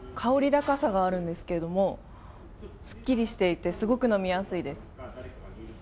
高さがあるんですけどすっきりしていてすごく飲みやすいです。